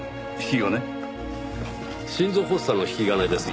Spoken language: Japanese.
心臓発作の引き金ですよ。